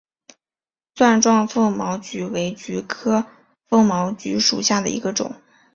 钻状风毛菊为菊科风毛菊属下的一个种。